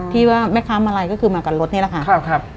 ที่ว่าแม่ค้ามาลัยก็คือมากับรถนี่แหละค่ะ